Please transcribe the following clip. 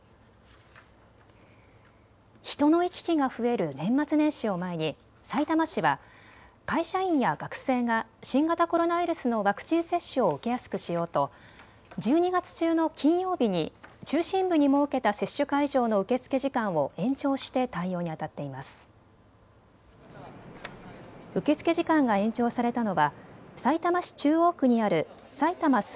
人の行き来が増える年末年始を前に、さいたま市は会社員や学生が新型コロナウイルスのワクチン接種を受けやすくしようと１２月中の金曜日に中心部に設けた接種会場の受け付け時間を延長して対応にあたっています。